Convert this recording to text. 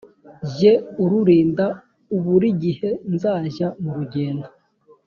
jye ururinda u buri gihe nzajya mu rugendo